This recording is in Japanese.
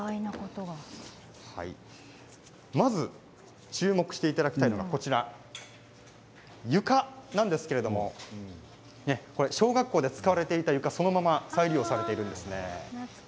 まず注目していただきたいのは床なんですけれど小学校で使われていた床そのまま再利用しているんです。